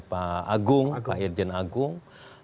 pak agung pak irjen agung